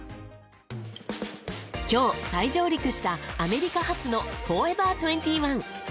今日再上陸したアメリカ発のフォーエバー２１。